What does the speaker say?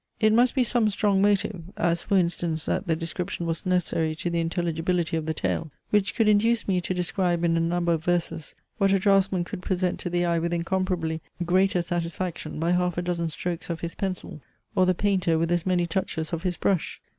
It must be some strong motive (as, for instance, that the description was necessary to the intelligibility of the tale) which could induce me to describe in a number of verses what a draughtsman could present to the eye with incomparably greater satisfaction by half a dozen strokes of his pencil, or the painter with as many touches of his brush.